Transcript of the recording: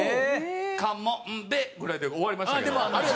「カモンベ」ぐらいで終わりましたけどね。